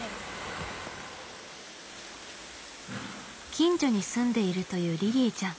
近所に住んでいるというりりぃちゃん。